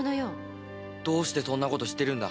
どうしてそんなこと知ってるんだ？